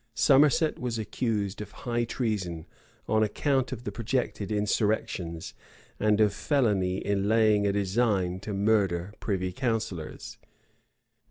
Somerset was accused of high treason, on account of the projected insurrections, and of felony in laying a design to murder privy counsellors.